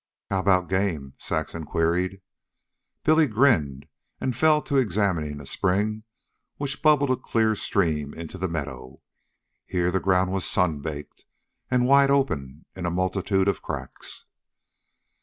"How about game?" Saxon queried. Billy grinned, and fell to examining a spring which bubbled a clear stream into the meadow. Here the ground was sunbaked and wide open in a multitude of cracks.